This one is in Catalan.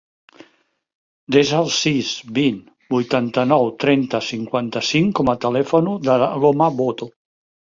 Desa el sis, vint, vuitanta-nou, trenta, cinquanta-cinc com a telèfon de l'Aloma Boto.